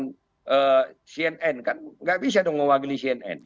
tapi kalau misalnya mas ini ada di luar dari pada kapasitas maka dia mewakili partai